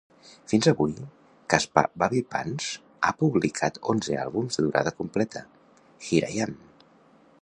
Fins avui, Caspar Babypants ha publicat onze àlbums de durada completa; Here I Am!